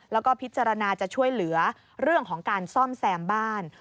แล้วก็พิจารณาจะช่วยเหลือเรื่องของการซ่อมแซมบ้าน